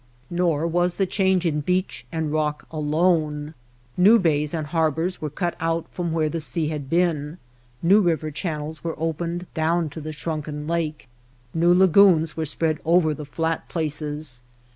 Nor was the change in beach and rock alone. JSTew bays and harbors were cut out from where the sea had been, new river channels were opened down to the shrunken lake, new lagoons were spread over the flat places.